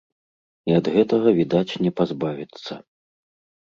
І ад гэтага, відаць, не пазбавіцца.